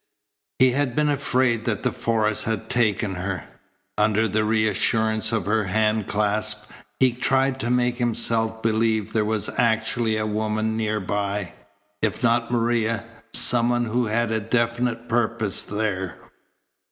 He had been afraid that the forest had taken her. Under the reassurance of her handclasp he tried to make himself believe there was actually a woman near by, if not Maria, some one who had a definite purpose there.